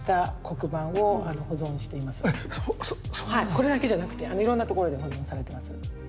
これだけじゃなくていろんなところで保存されてます。